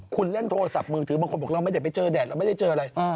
คุณเล่นโทรศัพท์มือถือบางคนบอกเราไม่ได้ไปเจอแดดเราไม่ได้เจออะไร